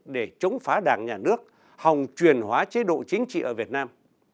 để chống phá đảng nhà nước hòng truyền hóa chế độ chính trị ở việt nam